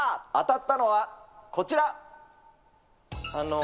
当たったのは、こちら。